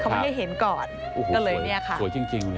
เขาไม่ให้เห็นก่อนก็เลยเนี่ยค่ะ